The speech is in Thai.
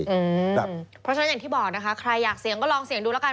เพราะฉะนั้นอย่างที่บอกนะคะใครอยากเสี่ยงก็ลองเสี่ยงดูแล้วกัน